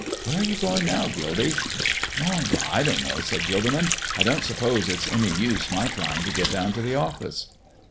Where are you going now, Gildy?" "Oh, I don't know," said Gilderman. "I don't suppose it's any use my trying to get down to the office."